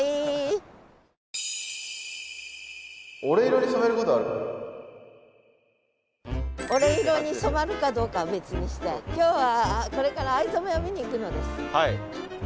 俺色に染まるかどうかは別にして今日はこれから藍染めを見に行くのです。